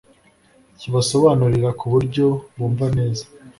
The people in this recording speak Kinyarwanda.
kibasobanurira ku buryo bumva neza